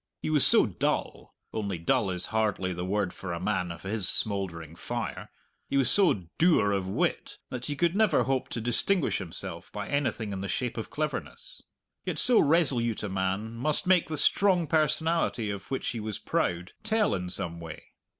He was so dull only dull is hardly the word for a man of his smouldering fire he was so dour of wit that he could never hope to distinguish himself by anything in the shape of cleverness. Yet so resolute a man must make the strong personality of which he was proud tell in some way.